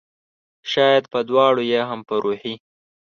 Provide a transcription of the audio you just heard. شاید په دواړو ؟ یا هم په روحي